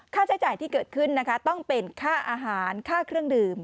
ใช้จ่ายที่เกิดขึ้นนะคะต้องเป็นค่าอาหารค่าเครื่องดื่ม